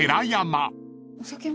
お酒も。